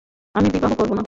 আমি বিবাহ করব না।